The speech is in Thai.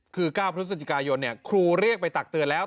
คือ๙พฤศจิกายนครูเรียกไปตักเตือนแล้ว